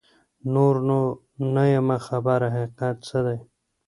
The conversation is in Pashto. نور نو نه یمه خبر حقیقت څه دی